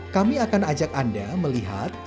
kami akan ajak anda melihat seperti apa saat ini